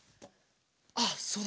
あっそうだ。